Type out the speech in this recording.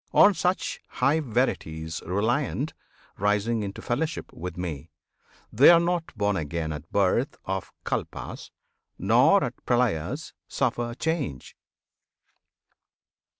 On such high verities Reliant, rising into fellowship With Me, they are not born again at birth Of Kalpas, nor at Pralyas suffer change!